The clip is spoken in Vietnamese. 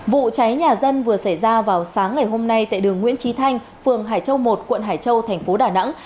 vụ cháy nhà dân vừa xảy ra vào sáng ngày hôm nay tại đường nguyễn trí thanh phường hải châu một quận hải châu thành phố đà nẵng